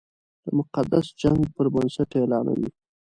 د مقدس جنګ پر بنسټ اعلانوي.